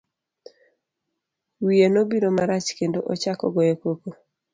Wiye nobiro marach, kendo ochako goyo koko.